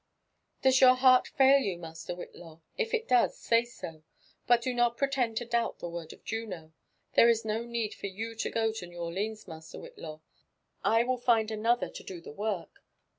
, Does your heart fail you, Master Whitlaw? If it does, say so. But do not pretend to doubt the word of Juno. There is no need for you to go to New Orleans, Master Whitlaw — I will find another to do the work.